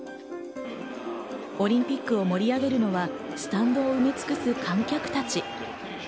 オリンピックを盛り上げるのはスタンドを埋め尽くす観客たち。